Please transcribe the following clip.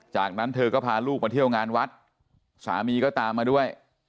จากนั้นเธอก็พาลูกมาเที่ยวงานวัดสามีก็ตามมาด้วย